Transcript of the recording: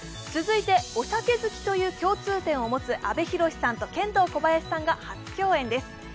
続いてお酒好きという共通点を持つ阿部寛さんとケンドーコバヤシさんが初共演です。